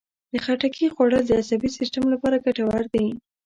د خټکي خوړل د عصبي سیستم لپاره ګټور دي.